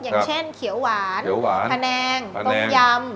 อย่างเช่นเขียวหวานแผนงต้มยำ